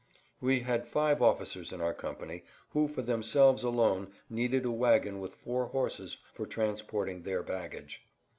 We had five officers in our company who for themselves alone needed a wagon with four horses for transporting their baggage.